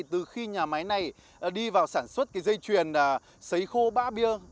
từ khi nhà máy này đi vào sản xuất dây truyền xấy khô bã bia